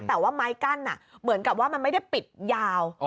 แต่ว่าไม้กั้นเหมือนกับว่ามันไม่ได้ปิดยาว